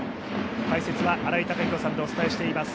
解説は新井貴浩さんでお伝えしています。